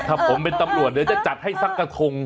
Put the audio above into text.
ถ้าผมเป็นตำรวจเดี๋ยวจะจัดให้สักกระทง